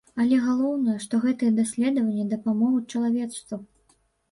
Але галоўнае, што гэтыя даследаванні дапамогуць чалавецтву.